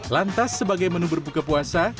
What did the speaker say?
lantas sebagai menu berbuka puasa